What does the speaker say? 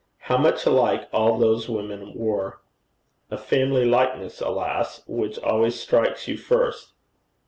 'How much alike all those women were!' 'A family likeness, alas! which always strikes you first.'